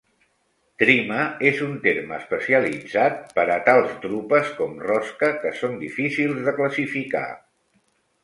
Tryma és un terme especialitzat per a tals drupes com rosca que són difícils de classificar.